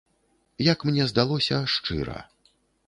Як мне здалося, шчыра.